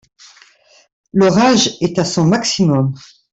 L’orage est à son maximum.